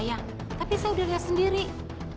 ya tapi bukan kamu yang nemuin